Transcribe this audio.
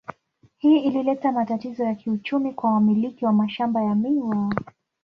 Hii ilileta matatizo ya kiuchumi kwa wamiliki wa mashamba ya miwa.